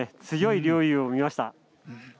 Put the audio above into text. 強い陵侑を見ました。